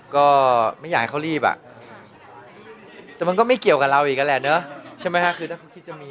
ก็ไม่อยากให้เขารีบอ่ะแต่มันก็ไม่เกี่ยวกับเราอีกนั่นแหละเนอะใช่ไหมฮะคือถ้าเขาคิดจะมี